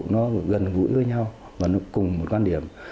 nó gần gũi với nhau và nó cùng một quan điểm